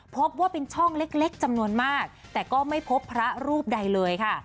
พบว่าเป็นช่องเล็กจำนวนมากแต่ก็ไม่พบพระรูปใดเลยค่ะ